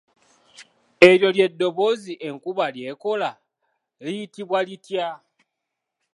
Eryo ly’eddoboozi enkuba ly’ekola liyitibwa litya?